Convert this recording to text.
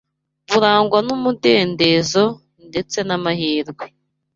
burangwa n’umudendezo ndetse n’amahirwe